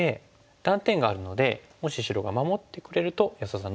断点があるのでもし白が守ってくれると安田さん